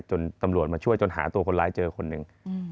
จนตำรวจมาช่วยจนหาตัวคนร้ายเจอคนหนึ่ง